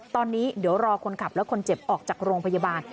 ตอนนี้เดี๋ยวรอคนขับและคนเจ็บออกจากโรงพยาบาล